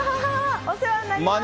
お世話になります。